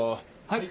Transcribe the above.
はい。